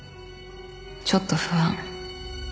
「ちょっと不安」